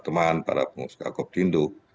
teman teman para pengusaha raskakopindo